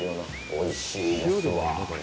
おいしいですわ。